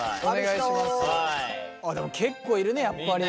でも結構いるねやっぱり。